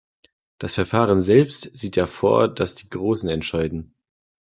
Das Verfahren selbst sieht ja vor, dass die Großen entscheiden.